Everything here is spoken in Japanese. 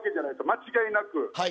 間違いなく。